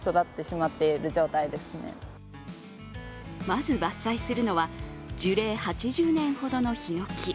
まず伐採するのは樹齢８０年ほどのひのき。